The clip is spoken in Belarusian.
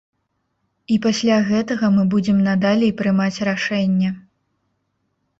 І пасля гэтага мы будзем надалей прымаць рашэнне.